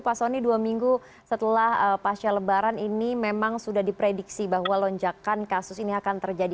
pak soni dua minggu setelah pasca lebaran ini memang sudah diprediksi bahwa lonjakan kasus ini akan terjadi